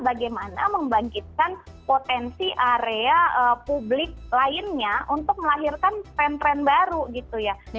bagaimana membangkitkan potensi area publik lainnya untuk melahirkan tren tren baru gitu ya